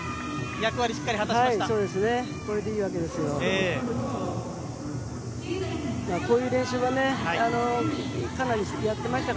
役割をしっかり果たしました。